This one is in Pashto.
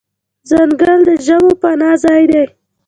ځنګل د ژوو پناه ځای دی.